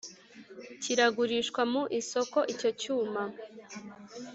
kiragurishwa mu isoko icyo cyuma